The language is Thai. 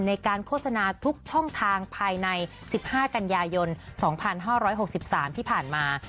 ในการโฆษณาทุกช่องทางภายใน๑๕กันยายน๒๕๖๓ที่ผ่านมา